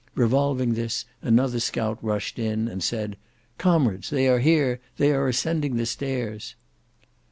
Revolving this, another scout rushed in and said, "Comrades, they are here! they are ascending the stairs."